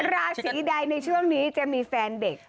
ราศีใดในช่วงนี้จะมีแฟนเด็ก